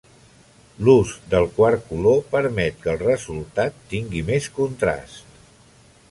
L'ús del quart color permet que el resultat tingui més contrast.